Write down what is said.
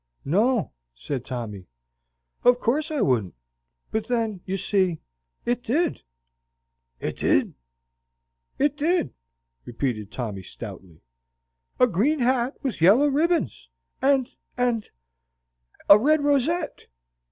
"No," said Tommy, "of course I wouldn't; but then, you see, IT DID." "It did?" "It did!" repeated Tommy, stoutly; "a green hat with yellow ribbons and and a red rosette."